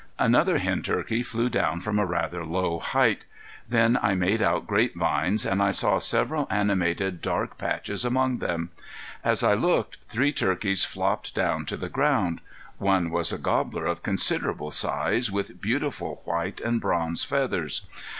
Another hen turkey flew down from a rather low height. Then I made out grapevines, and I saw several animated dark patches among them. As I looked three turkeys flopped down to the ground. One was a gobbler of considerable size, with beautiful white and bronze feathers.